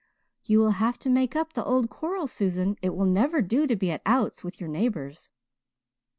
"You will have to make up the old quarrel, Susan. It will never do to be at outs with your neighbours."